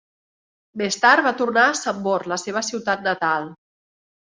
Més tard va tornar a Sombor, la seva ciutat natal.